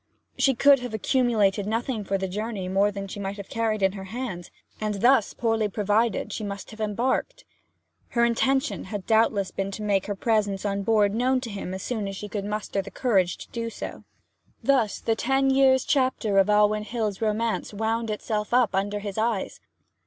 She could have accumulated nothing for the journey more than she might have carried in her hand; and thus poorly provided she must have embarked. Her intention had doubtless been to make her presence on board known to him as soon as she could muster courage to do so. Thus the ten years' chapter of Alwyn Hill's romance wound itself up under his eyes.